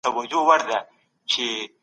خپل ماشومان به په اسلامي روحیه روزئ.